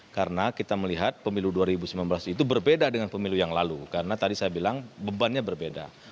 karena kita melihat pemilu dua ribu sembilan belas itu berbeda dengan pemilu yang lalu karena tadi saya bilang bebannya berbeda